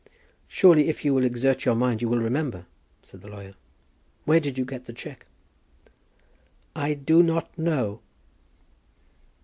"Surely, if you will exert your mind, you will remember," said the lawyer. "Where did you get the cheque?" "I do not know."